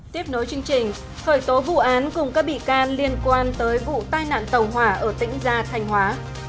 tiếp nối chương trình khởi tố vụ án cùng các bị can liên quan tới vụ tai nạn tàu hỏa ở tỉnh gia thanh hóa